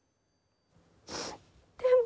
でも！